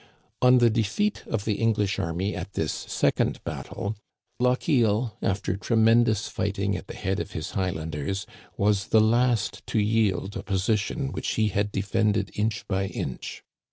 On the defeat of the English army at this second battle, Lochiel, after tremendous fighting at the head of his Highlanders, was the last to yield a position which he had defended inch by inch.